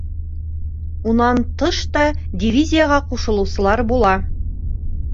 Унан тыш та дивизияға ҡушылыусылар була.